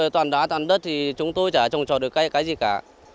toàn đá toàn đất thì chúng tôi chả trồng trò được cái gì cả